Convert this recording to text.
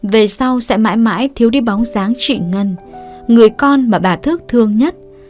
về sau sẽ mãi mãi thiếu đi bóng dáng chị ngân người con mà bà thước thương nhất